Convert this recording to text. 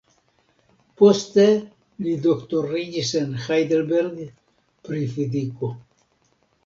Poste li doktoriĝis en Heidelberg pri fiziko.